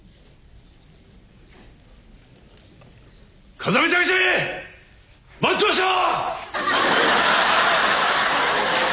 風見武志待ってました！